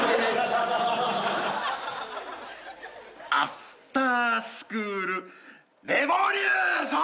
アフタースクールレボリューション！